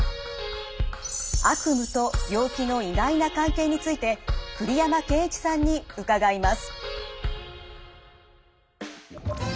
悪夢と病気の意外な関係について栗山健一さんに伺います。